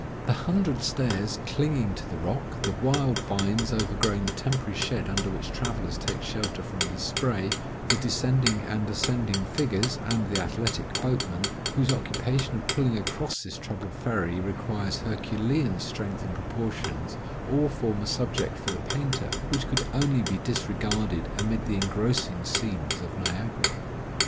The hundred stairs clinging to the rock, the wild vines overgrowing the temporary shed under which travellers take shelter from the spray, the descending and ascending figures, and the athletic boatmen, whose occupation of pulling across this troubled ferry requires herculean strength and proportions, all form a subject for the painter, which could only be disregarded amid the engrossing scenes of Niagara.